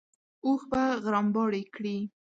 اوښ به غرمباړې کړې.